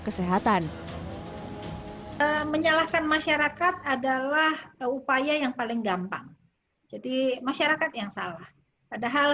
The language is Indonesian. kesehatan menyalahkan masyarakat adalah upaya yang paling gampang jadi masyarakat yang salah padahal